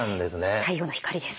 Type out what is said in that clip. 太陽の光です。